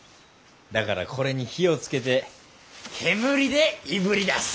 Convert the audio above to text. だからこれに火をつけて煙でいぶり出す。